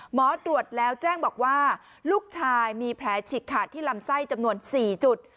หมอตรวจแล้วแจ้งบอกว่าลูกชายมีแผลฉีกขาดที่ลำไส้จำนวน๔จุด